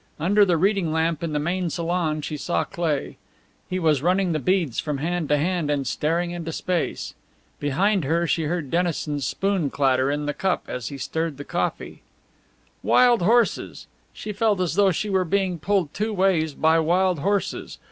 Under the reading lamp in the main salon she saw Cleigh. He was running the beads from hand to hand and staring into space. Behind her she heard Dennison's spoon clatter in the cup as he stirred the coffee. Wild horses! She felt as though she were being pulled two ways by wild horses!